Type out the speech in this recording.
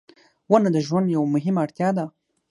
• ونه د ژوند یوه مهمه اړتیا ده.